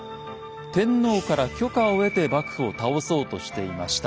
天皇から許可を得て幕府を倒そうとしていました。